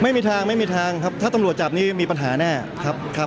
ไม่มีทางไม่มีทางครับถ้าตำรวจจับนี่มีปัญหาแน่ครับครับ